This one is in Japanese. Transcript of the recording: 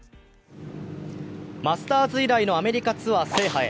マスターズ以来のアメリカツアー制覇へ。